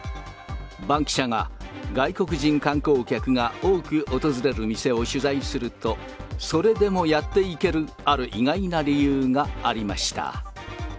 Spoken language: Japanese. バンキシャが外国人観光客が多く訪れる店を取材すると、それでもやっていける、ある意外な理由がありました。